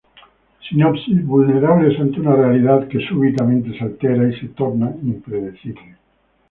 Sinopsis: "Vulnerables ante una realidad que súbitamente se altera y se torna impredecible.